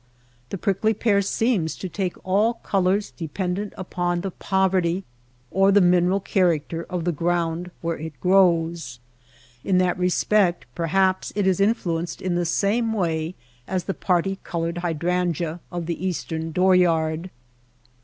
The prickly pear seems to take all colors dependent upon the poverty, or the mineral character, of the ground where it grows. In that respect perhaps it is influenced in the same way as the parti colored hydrangea of the eastern dooryard.